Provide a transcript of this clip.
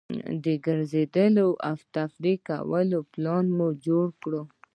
د ګرځېدو او تفریح کولو پلان مو جوړ کړ.